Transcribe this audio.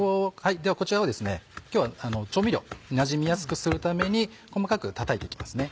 こちらを今日は調味料なじみやすくするために細かくたたいて行きますね。